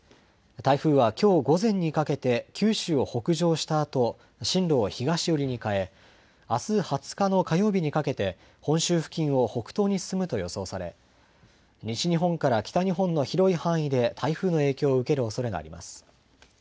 台風はきょう午前にかけて、九州を北上したあと、進路を東寄りに変え、あす２０日の火曜日にかけて、本州付近を北東に進むと予想され、西日本から北日本の広い範囲で台風の影響を受けるおそれがあります。